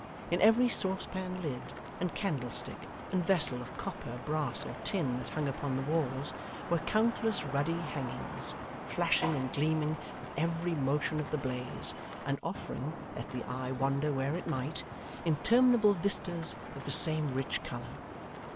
In every saucepan lid, and candlestick, and vessel of copper, brass, or tin that hung upon the walls, were countless ruddy hangings, flashing and gleaming with every motion of the blaze, and offering, let the eye wander where it might, interminable vistas of the same rich colour.